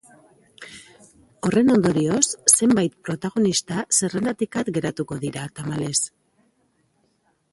Horren ondorioz, zenbait protagonista zerrendatik at geratuko dira, tamalez.